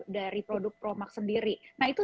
dari produk promak sendiri nah itu